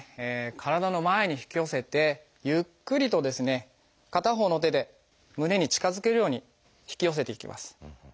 体の前に引き寄せてゆっくりとですね片方の手で胸に近づけるように引き寄せていきます。